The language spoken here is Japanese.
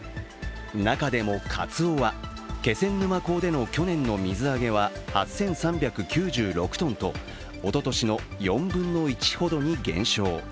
中でもかつおは気仙沼港での去年の水揚げは８３９６ｔと、おととしの４分の１ほどに減少。